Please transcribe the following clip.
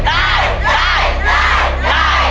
ไก่ไก่ไก่ไก่